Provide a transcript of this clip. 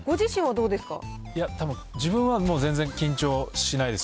たぶん自分は、もう全然緊張しないです。